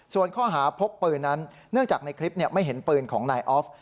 ส่วนข้อหาพกปืนนั้นเนื่องจากในคลิปไม่เห็นปืนของนายออฟ